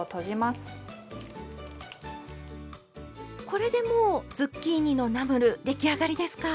これでもうズッキーニのナムル出来上がりですか？